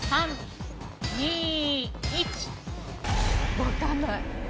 わかんない。